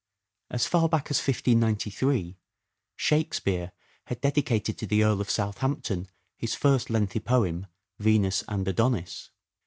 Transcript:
As far back as 1593, " Shakespeare " had dedicated to the Earl of Southampton his first lengthy poem, " Venus and Adonis."